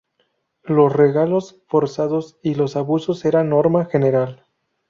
Los regalos forzados y los abusos eran norma general.